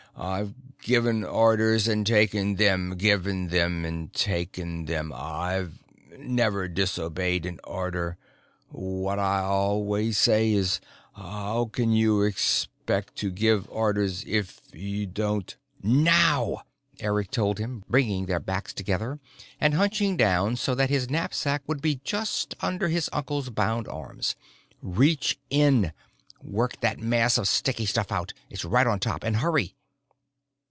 I've given orders and taken them, given them and taken them. I've never disobeyed an order. What I always say is how can you expect to give orders if you don't " "Now," Eric told him, bringing their backs together and hunching down so that his knapsack would be just under his uncle's bound arms. "Reach in. Work that mass of sticky stuff out. It's right on top. And hurry!"